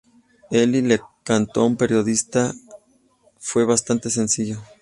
Ely le contó a un periodista: "Fue bastante sencillo.